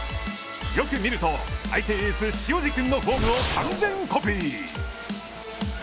よく見ると、相手エース塩路君のフォームを完全コピー！